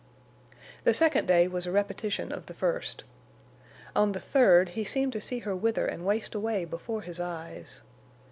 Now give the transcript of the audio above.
The second day was a repetition of the first. On the third he seemed to see her wither and waste away before his eyes.